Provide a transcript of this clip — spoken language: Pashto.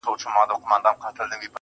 دا سپوږمۍ وينې~